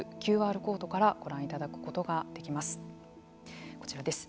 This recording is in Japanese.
ＱＲコードからご覧いただくことができます。